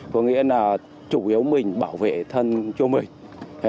có nghĩa là chủ yếu mình bảo vệ thân cho mình